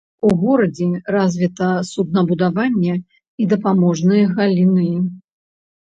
У горадзе развіта суднабудаванне і дапаможныя галіны.